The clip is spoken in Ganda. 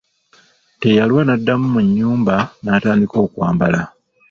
Teyalwa n'addamu mu nnyumba n'atandika okwambala.